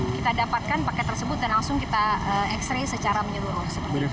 kita dapatkan paket tersebut dan langsung kita x ray secara menyeluruh